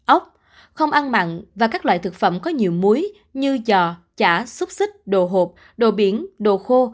ốc không ăn mặn và các loại thực phẩm có nhiều muối như giò chả xúc xích đồ hộp đồ biển đồ khô